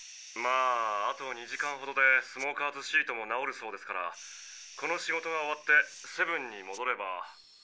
まああと２時間ほどでスモーカーズシートも直るそうですからこの仕事が終わってセブンにもどれば。